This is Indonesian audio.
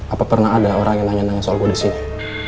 apa pernah ada orang yang nanya nanya soal gue disini